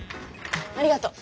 ありがとう。